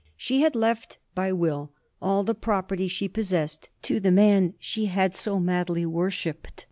She had left by will all the property she possessed to the man she had so madly worshipped.